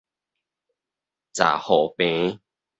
閘雨棚